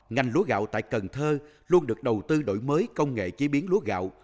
ngành lúa gạo tại cần thơ luôn được đầu tư đổi mới công nghệ chế biến lúa gạo